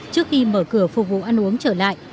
trước khi mở cửa phục vụ ăn uống trở lại